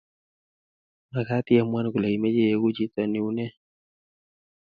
makat iamuan Ile imache ieku chitok neune